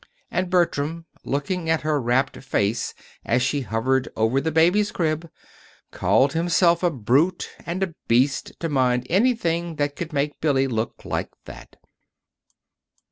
And Bertram, looking at her rapt face as she hovered over the baby's crib, called himself a brute and a beast to mind anything that could make Billy look like that.